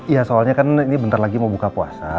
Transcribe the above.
ya soalnya kan ini bentar lagi mau buka puasa